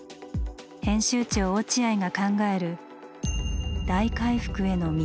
編集長落合が考える「大回復」への道。